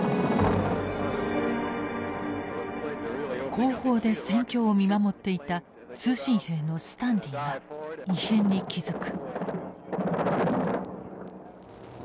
後方で戦況を見守っていた通信兵のスタンリーが異変に気付く。